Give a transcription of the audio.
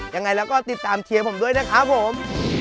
ยังไงแล้วก็ติดตามเชียร์ผมด้วยนะครับผม